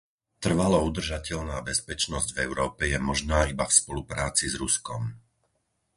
Trvalo udržateľná bezpečnosť v Európe je možná iba v spolupráci s Ruskom.